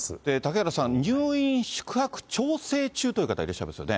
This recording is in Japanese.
嵩原さん、入院・宿泊調整中という方いらっしゃいますよね。